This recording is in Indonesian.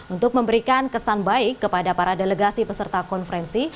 untuk memberikan kesan baik kepada para delegasi peserta konferensi